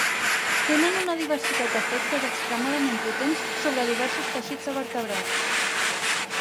Tenen una diversitat d’efectes extremadament potents sobre diversos teixits de vertebrats.